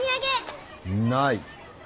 ない。